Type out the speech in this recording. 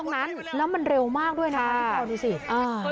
แล้วมันเร็วมากด้วยนะคะสาวนี้สิอ่า